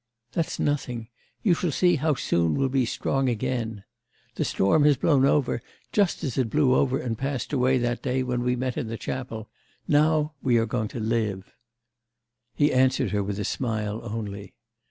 'That's nothing. You shall see how soon we'll be strong again! The storm has blown over, just as it blew over and passed away that day when we met in the chapel. Now we are going to live.' He answered her with a smile only.